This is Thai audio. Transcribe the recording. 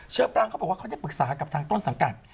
ปรังเขาบอกว่าเขาได้ปรึกษากับทางต้นสังกัด